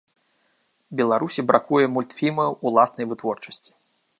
Беларусі бракуе мультфільмаў уласнай вытворчасці.